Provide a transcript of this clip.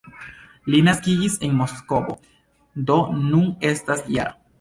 Li naskiĝis en Moskvo, do nun estas -jara.